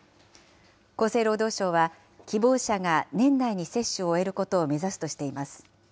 厚生労働省は、希望者が年内に接種を終えることを目指すとしています。